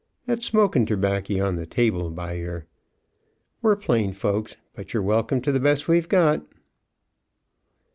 That's smokin' terbaccer on the table by yer. We're plain folks, but you're welcome to the best we've got."